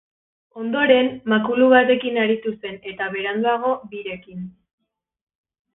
Ondoren, makulu batekin aritu zen eta, beranduago, birekin.